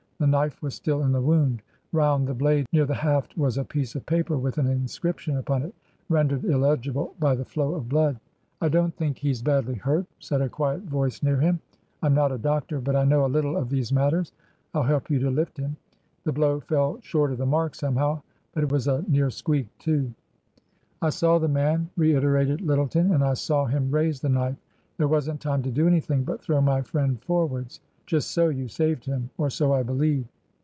The knife was still in the wound ; round the blade, near the haft, was a piece of paper with an inscription upon it, rendered illegible by the flow of blood. " I don't think he's badly hurt," said a quiet voice near him; "I'm not a doctor, but I know a little of these matters. I'll help you to lift him. The blow fell short of the mark somehow. But it was a near squeak, too." " I saw the man," reiterated Lyttleton. " And I saw him raise the knife. There wasn't time to do anything but throw my friend forwards." "Just so. You saved him. Or so I believe."